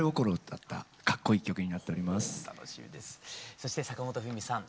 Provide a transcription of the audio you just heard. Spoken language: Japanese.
そして坂本冬美さん